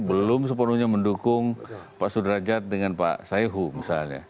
belum sepenuhnya mendukung pak sudrajat dengan pak saihu misalnya